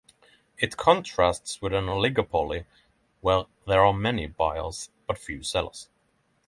It contrasts with an oligopoly, where there are many buyers but few sellers.